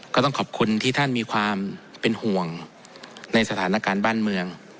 ก็ต้องขอบคุณที่ท่านมีความเป็นห่วงในสถานการณ์บ้านเมือง